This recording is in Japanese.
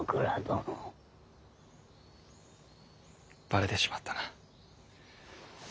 ばれてしまったな。